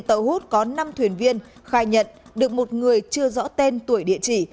tàu hút có năm thuyền viên khai nhận được một người chưa rõ tên tuổi địa chỉ